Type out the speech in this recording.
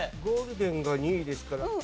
ゴールデンが２位ですから。